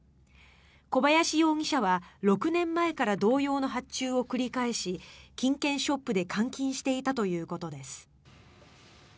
小林容疑者は６年前から同様の発注を繰り返し金券ショップで換金していたということです。